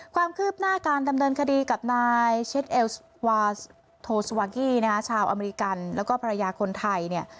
ความคืบหน้าการดำเนินคดีกับนายเช็ดเอลสวาโทสวากี้นะฮะชาวอเมริกันแล้วก็ภรรยาคนไทยเนี่ย